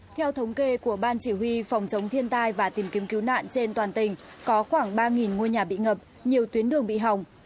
theo thống kê của ban chỉ huy phòng chống thiên tai và tìm kiếm cứu nạn trên toàn tỉnh có khoảng ba ngôi nhà bị ngập nhiều tuyến đường bị hỏng